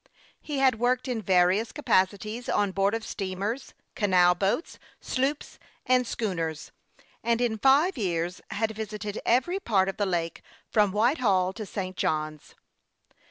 He had worked in various capaci ties on board of steamers, canal boats, sloops, and schooners, and in five years had visited every part of the lake from Whitehall to St. John's.